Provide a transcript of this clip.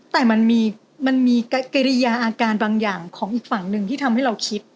แต่มันมีกริยาอาการบางอย่างของอีกฝั่งหนึ่งที่ทำให้เราคิด